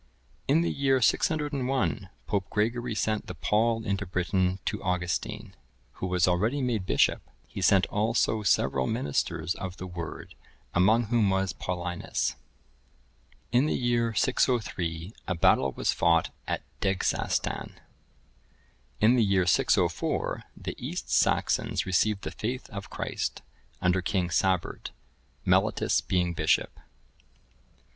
[I, 25.] In the year 601, Pope Gregory sent the pall into Britain to Augustine, who was already made bishop; he sent also several ministers of the Word, among whom was Paulinus. [I, 29.] In the year 603, a battle was fought at Degsastan. [I, 34.] In the year 604, the East Saxons received the faith of Christ, under King Sabert, Mellitus being bishop.